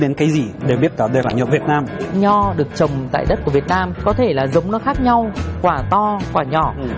nho được trồng tại đất của việt nam có thể là giống nó khác nhau quả to quả nhỏ